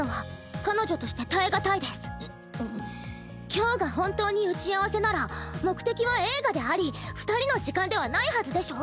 今日が本当に打ち合わせなら目的は映画であり二人の時間ではないはずでしょ？